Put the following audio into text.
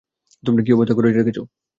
কী অবস্থা করে রেখেছ?